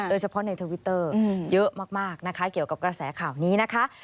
โดยเฉพาะในทวิตเตอร์เยอะมากนะคะเกี่ยวกับกระแสข่าวนี้นะคะ